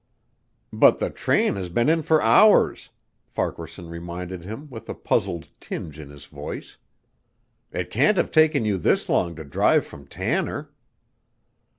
"But the train has been in for hours," Farquaharson reminded him with a puzzled tinge in his voice. "It can't have taken you this long to drive from Tanner."